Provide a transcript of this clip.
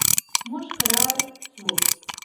موږ کرار شو.